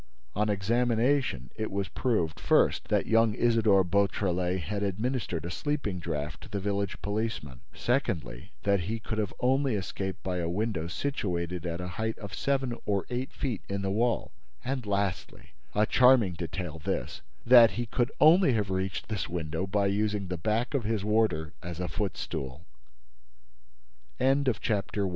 On examination, it was proved, first, that young Isidore Beautrelet had administered a sleeping draught to the village policeman; secondly, that he could only have escaped by a window situated at a height of seven or eight feet in the wall; and lastly—a charming detail, this—that he could only have reached this window by using the back of his warder as a footst